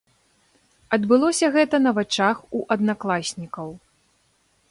Адбылося гэта на вачах у аднакласнікаў.